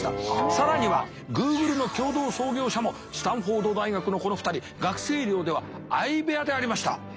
更にはＧｏｏｇｌｅの共同創業者もスタンフォード大学のこの２人学生寮では相部屋でありました。